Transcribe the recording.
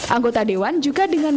anggota dewan juga dengan